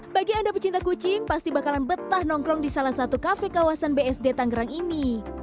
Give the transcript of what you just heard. bagi anda pecinta kucing pasti bakalan betah nongkrong di salah satu kafe kawasan bsd tanggerang ini